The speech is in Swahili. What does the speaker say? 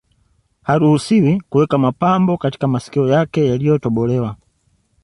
Haruhusiwi kuweka mapambo katika masikio yake yaliyotobolewa